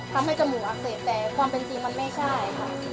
ทำให้จมูกอักเสบแต่ความเป็นจริงมันไม่ใช่ค่ะ